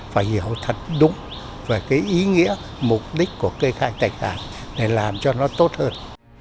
phải hiểu thật đúng về cái ý nghĩa mục đích của kê khai tài sản để làm cho nó tốt hơn